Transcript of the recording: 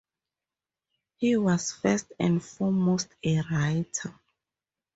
He was first and foremost a writer.